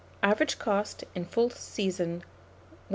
Average cost, in full season, 1s.